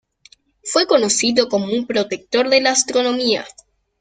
Fue conocido como un protector de la astronomía.